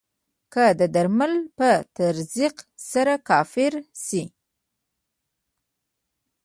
که د درمل په تزریق سره کافر شي.